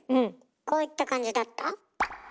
こういった感じだった？